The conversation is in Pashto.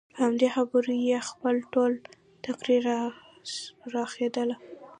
په همدې خبرو یې خپل ټول تقریر راڅرخېده.